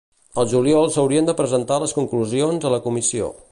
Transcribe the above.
Al juliol s'haurien de presentar les conclusions a la comissió.